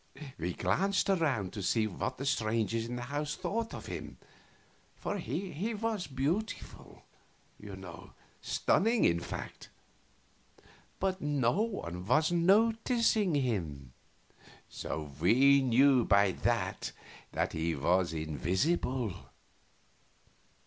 We glanced around to see what the strangers in the house thought of him, for he was beautiful, you know stunning, in fact but no one was noticing him; so we knew by that that he was invisible.